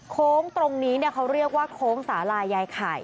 โค้งตรงนี้เขาเรียกว่าโค้งสาลายายไข่